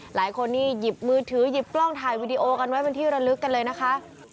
หลายคนนี่หยิบมือถือหยิบกล้องถ่ายวีดีโอกันไว้เป็นที่ระลึกกันเลยนะคะ